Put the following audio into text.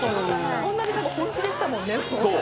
本並さん、本気でしたもんね